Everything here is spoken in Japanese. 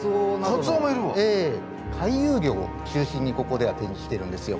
回遊魚を中心にここでは展示してるんですよ。